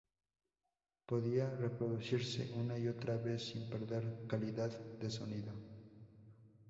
Podía reproducirse una y otra vez, sin perder calidad de sonido.